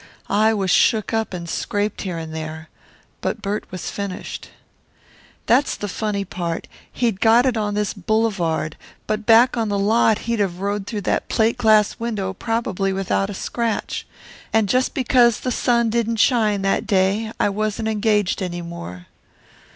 I was shook up and scraped here and there. But Bert was finished. That's the funny part. He'd got it on this boulevard, but back on the lot he'd have rode through that plate glass window probably without a scratch. And just because the sun didn't shine that day, I wasn't engaged any more.